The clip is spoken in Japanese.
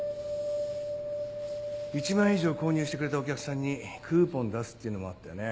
１万円以上購入してくれたお客さんにクーポン出すっていうのもあったよね。